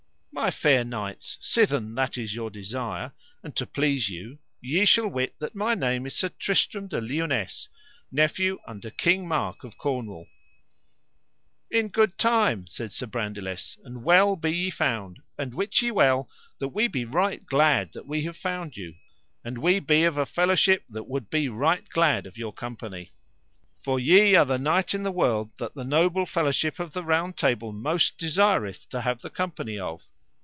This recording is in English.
My fair knights, sithen that is your desire, and to please you, ye shall wit that my name is Sir Tristram de Liones, nephew unto King Mark of Cornwall. In good time, said Sir Brandiles, and well be ye found, and wit ye well that we be right glad that we have found you, and we be of a fellowship that would be right glad of your company. For ye are the knight in the world that the noble fellowship of the Round Table most desireth to have the company of.